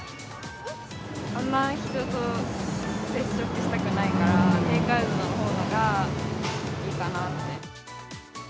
あんまり人と接触したくないから、テイクアウトのほうがいいかなって。